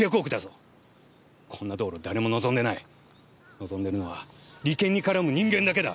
望んでるのは利権に絡む人間だけだ！